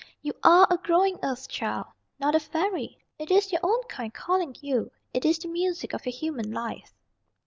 You are a growing Earth Child, not a fairy. It is your own kind calling you. It is the music of your human life."